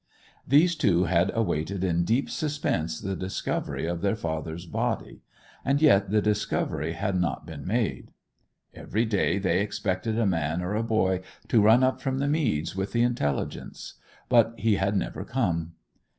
These two had awaited in deep suspense the discovery of their father's body; and yet the discovery had not been made. Every day they expected a man or a boy to run up from the meads with the intelligence; but he had never come.